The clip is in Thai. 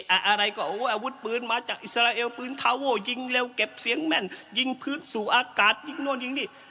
อะไรก็โอ้อาวุธปืนมาจากอิสราเอลปืนทาโว้ยิงเร็วเก็บเสียงแม่นยิงพื้นสู่อากาศยิงโน่นยิงนี่